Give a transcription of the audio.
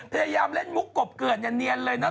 พยายามเล่นมุกครบกลืนอย่าเนียนเลยน้อหนุ่ม